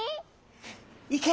いけ！